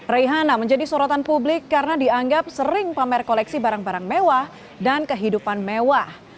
reihana menjadi sorotan publik karena dianggap sering pamer koleksi barang barang mewah dan kehidupan mewah